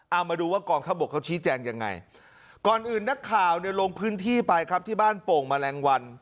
เอามาดูว่ากองทัพบกเขาชี้แจงยังไงก่อนอื่นนักข่าวเนี่ยลงพื้นที่ไปครับที่บ้านโป่งแมลงวัน